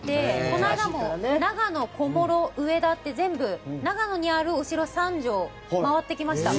この間も長野、小諸、上田って全部長野にあるお城３城を回ってきました。